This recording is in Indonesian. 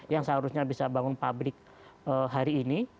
yang seharusnya bisa bangun pabrik hari ini